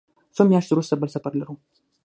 څو میاشتې وروسته بل سفر لرو.